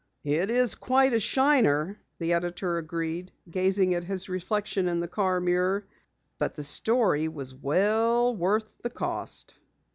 "It is quite a shiner," the editor agreed, gazing at his reflection in the car mirror. "But the story was well worth the cost."